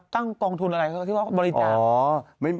ตั้งกองทุนอะไรที่บริจาค